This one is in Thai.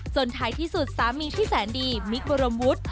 ท้ายที่สุดสามีที่แสนดีมิคบรมวุฒิ